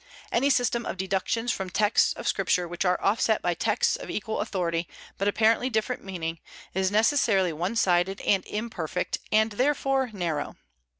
Any system of deductions from texts of Scripture which are offset by texts of equal authority but apparently different meaning, is necessarily one sided and imperfect, and therefore narrow.